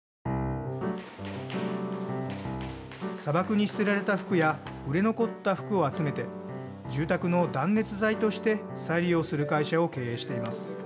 砂漠に捨てられた服や売れ残った服を集めて住宅の断熱材として再利用する会社を